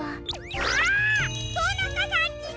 あとなかさんちの！